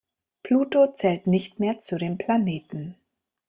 Pluto zählt nicht mehr zu den Planeten.